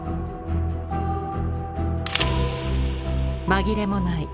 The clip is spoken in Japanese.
紛れもない